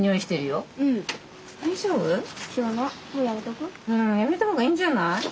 うんやめたほうがいいんじゃない？